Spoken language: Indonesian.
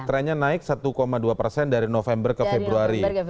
trennya naik satu dua persen dari november ke februari